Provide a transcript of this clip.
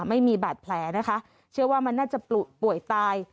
ไม่มีบาดแผลนะคะเชื่อว่ามันน่าจะป่วยตาย